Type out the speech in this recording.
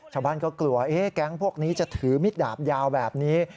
ชาวบ้านก็กลัวแก๊งพวกนี้จะถือมิดดาบยาวแบบนี้